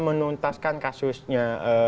untuk menuntaskan kasusnya